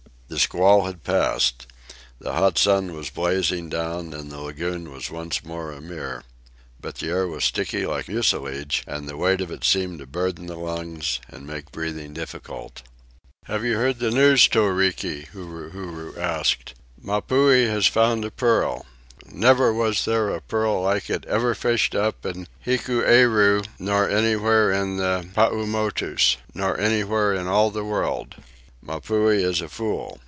The squall had passed. The hot sun was blazing down, and the lagoon was once more a mirror. But the air was sticky like mucilage, and the weight of it seemed to burden the lungs and make breathing difficult. "Have you heard the news, Toriki?" Huru Huru asked. "Mapuhi has found a pearl. Never was there a pearl like it ever fished up in Hikueru, nor anywhere in the Paumotus, nor anywhere in all the world. Mapuhi is a fool.